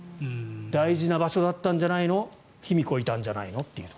大事な場所だったんじゃないの卑弥呼いたんじゃないのと。